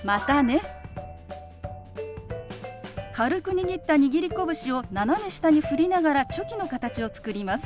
軽く握った握り拳を斜め下に振りながらチョキの形を作ります。